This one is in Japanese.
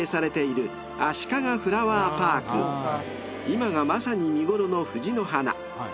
［今がまさに見頃の藤の花］